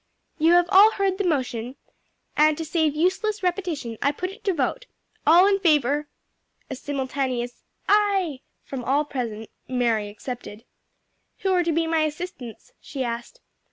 "You have all heard the motion, and to save useless repetition I put it to vote. All in favor " A simultaneous "Aye!" from all present, Mary excepted. "Who are to be my assistants?" she asked.